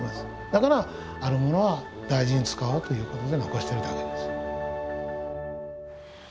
だからあるものは大事に使おうということで残してるだけです。